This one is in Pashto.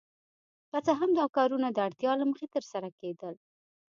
که څه هم دا کارونه د اړتیا له مخې ترسره کیدل.